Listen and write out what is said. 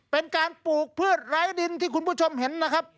เป็นการปลูกพืชไร้ดินที่คุณผู้ชมเห็นนะครับ